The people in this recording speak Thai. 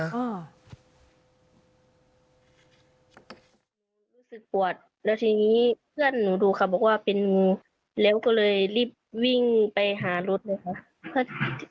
รู้สึกปวดแล้วทีนี้เพื่อนหนูดูเขาบอกว่าเป็นแล้วก็เลยรีบวิ่งไปหารถเลยค่ะ